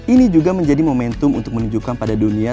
ini juga menjadi momentum untuk menunjukkan pada dunia